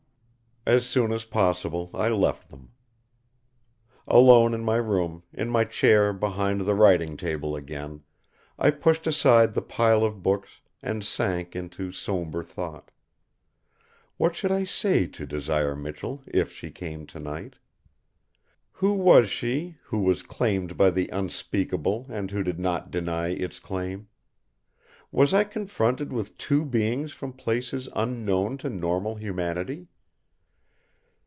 As soon as possible, I left them. Alone in my room, in my chair behind the writing table again, I pushed aside the pile of books and sank into sombre thought. What should I say to Desire Michell if she came tonight? Who was she, who was claimed by the Unspeakable and who did not deny Its claim? Was I confronted with two beings from places unknown to normal humanity?